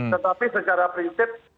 tetapi secara prinsip